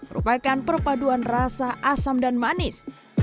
merupakan perpaduan rasa asam dan manis